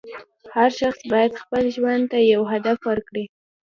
هر شخص باید خپل ژوند ته یو هدف ورکړي.